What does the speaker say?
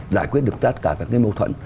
giải quyết được tất cả các cái mâu thuẫn